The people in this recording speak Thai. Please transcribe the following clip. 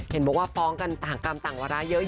เห็นบอกว่าฟ้องกันต่างกรรมต่างวาระเยอะ